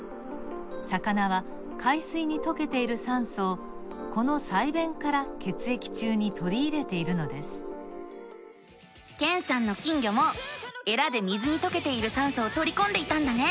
魚は海水にとけている酸素をこの鰓弁から血液中にとりいれているのですけんさんの金魚もえらで水にとけている酸素をとりこんでいたんだね。